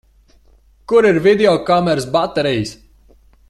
Kur ir videokameras baterijas?